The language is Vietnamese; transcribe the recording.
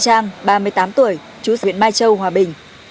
trang ba mươi tám tuổi chú huyện mai châu hòa bình